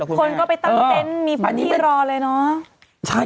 คนก็ไปตั้งเต้นมีที่รอเลยเนาะ